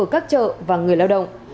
các chợ và người lao động